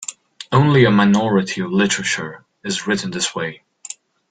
Only a minority of literature is written this way.